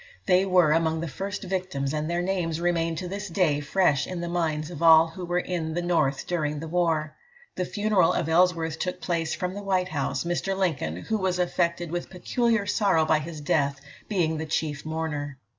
They were among the first victims, and their names remain to this day fresh in the minds of all who were in the North during the war. The funeral of Ellsworth took place from the White House, Mr. Lincoln who was affected with peculiar sorrow by his death being chief mourner.